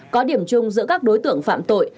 có điểm chung giữa các đối tượng phạm tội